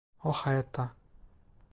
O hayatta.